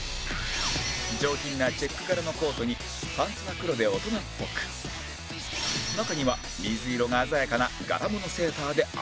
上品なチェック柄のコートにパンツが黒で大人っぽく中には水色が鮮やかな柄物セーターで遊び心も